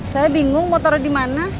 saya bingung mau taruh dimana